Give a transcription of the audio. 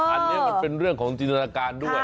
อันนี้มันเป็นเรื่องของจินตนาการด้วย